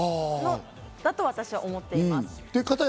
そう私は思っています。